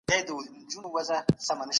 ډینامیک فکر ټولنه مخکې وړي.